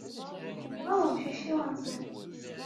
Yenɣa umcic-iw anziḍ.